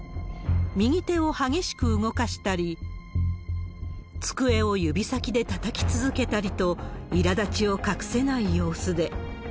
右手を激しく動かしたり、机を指先でたたき続けたりと、いらだちを隠せない様子で。